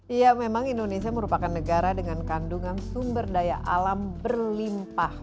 iya memang indonesia merupakan negara dengan kandungan sumber daya alam berlimpah